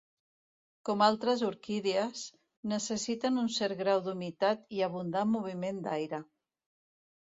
Com altres orquídies, necessiten un cert grau d'humitat i abundant moviment d'aire.